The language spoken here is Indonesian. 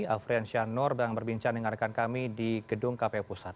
afrian shah noor dengan rekan kami di gedung kpu pusat